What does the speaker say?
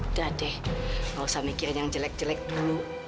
udah deh gak usah mikirin yang jelek jelek dulu